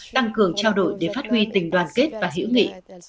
tăng cường trao đổi để phát huy tình đoàn kết và hiểu nghĩ